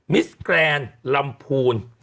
มิสแกลร์นลำภูล